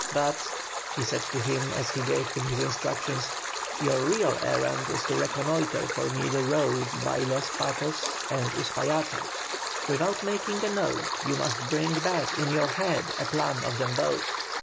"But," he said to him as he gave him his instructions, "your real errand is to reconnoitre for me the roads by Los Patos and Uspallata. Without making a note, you must bring back in your head a plan of them both.